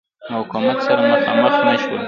مقاومت سره مخامخ نه شول.